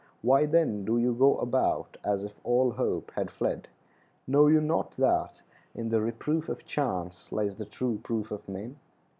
Why, then, do you go about as if all hope had fled? Know you not that "In the reproof of chance Lies the true proof of men."